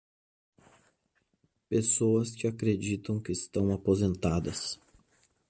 Pessoas que acreditam que estão aposentadas.